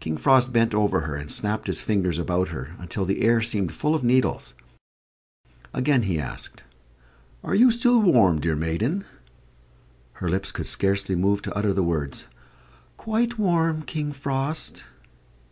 King Frost bent over her and snapped his fingers about her, until the air seemed full of needles. Again he asked, "Are you still warm, dear maiden?" Her lips could scarcely move to utter the words, "Quite warm, King Frost."